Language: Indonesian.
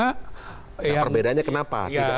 nah perbedaannya kenapa